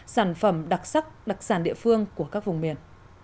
sản phẩm đặc sắc đặc sản địa phương của các vùng miền